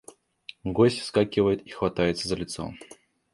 Гость вскакивает и хватается за лицо.